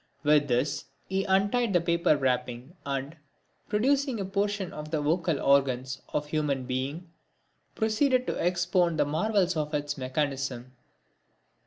With this he untied the paper wrapping and, producing a portion of the vocal organs of a human being, proceeded to expound the marvels of its mechanism.